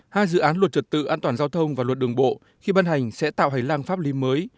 hai dự án luật trật tự an toàn giao thông và luật đường bộ khi ban hành sẽ tạo hành lang pháp lý mới